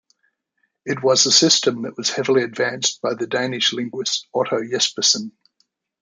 It was a system that was heavily advanced by the Danish Linguist Otto Jespersen.